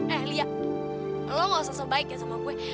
eh lia lo gak usah sebaiknya sama gue